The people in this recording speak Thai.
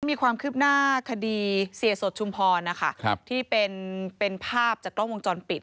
มีความคืบหน้าคดีเสียสดชุมพรนะคะที่เป็นภาพจากกล้องวงจรปิด